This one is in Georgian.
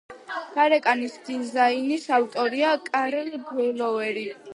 გარეკანის დიზაინის ავტორია კარლ გლოვერი.